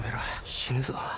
死ぬぞ。